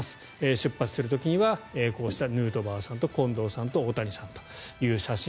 出発する時にはヌートバーさんと近藤さんと大谷さんという写真